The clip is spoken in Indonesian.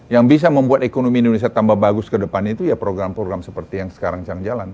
yang bisa membuat ekonomi indonesia tambah bagus ke depan itu ya program program seperti yang sekarang sedang jalan